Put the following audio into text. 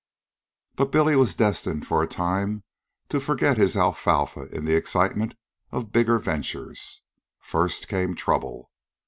But Billy was destined for a time to forget his alfalfa in the excitement of bigger ventures. First, came trouble.